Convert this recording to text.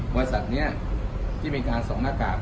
บริษัทนี้ที่มีการส่งหน้ากาก